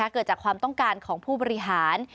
เกิดจากความต้องการของผู้บริหาร